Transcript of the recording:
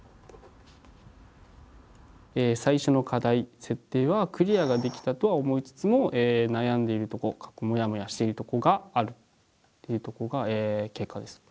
最初の課題設定はクリアができたとは思いつつも悩んでいるとこモヤモヤしているとこがあるというとこが結果です。